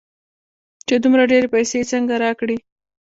چې دومره ډېرې پيسې يې څنگه راکړې.